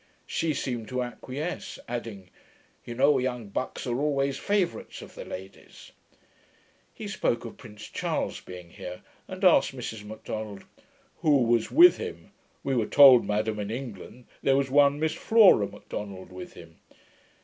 She seemed to acquiesce; adding, 'You know young BUCKS are always favourites of the ladies.' He spoke of Prince Charles being here, and asked Mrs Macdonald, 'WHO was with him? We were told, madam, in England, there was one Miss Flora Macdonald with him.'